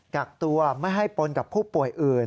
กักตัวไม่ให้ปนกับผู้ป่วยอื่น